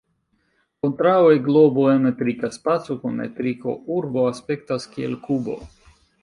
Kontraŭe, globo en metrika spaco kun metriko "urbo" aspektas kiel kubo.